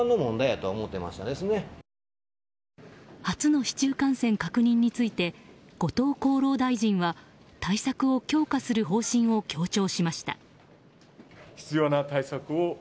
初の市中感染確認について後藤厚労大臣は対策を強化する方針を強調しました。